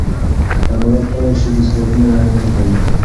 که عدالت پلی شي، بې ثباتي نه دوام کوي.